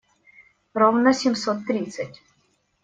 Ровно семьсот тридцать.